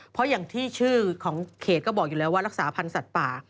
เพราะอย่างที่ชื่อของเขตก็บอกอยู่แล้วว่ารักษาพันธ์สัตว์ป่า